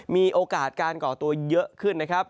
มีโอกาสการก่อตัวเยอะขึ้นนะครับ